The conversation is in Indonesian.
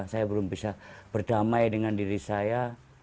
saya belum bisa berdamai dengan diri saya